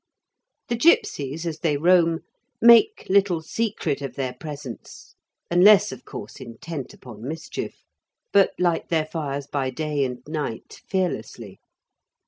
The gipsies, as they roam, make little secret of their presence (unless, of course, intent upon mischief), but light their fires by day and night fearlessly.